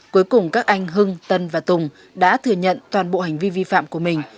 cuối cùng các anh hưng tân và tùng đã thừa nhận toàn bộ hành vi vi phạm của mình